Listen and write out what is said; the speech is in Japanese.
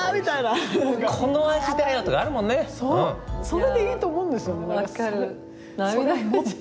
それでいいと思うんですよね。